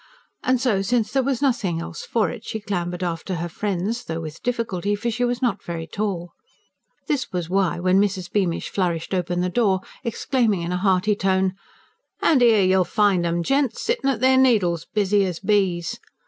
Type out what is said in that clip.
And so, since there was nothing else for it, she clambered after her friends though with difficulty; for she was not very tall. This was why, when Mrs. Beamish flourished open the door, exclaiming in a hearty tone: "An' 'ere you'll find 'em, gents sittin' at their needles, busy as bees!"